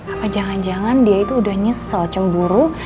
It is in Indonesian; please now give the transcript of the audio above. apa jangan jangan dia itu udah nyesel cemburu